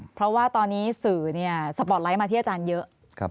เพราะว่าตอนนี้สื่อสปอร์ตไลท์มาที่อาจารย์เยอะ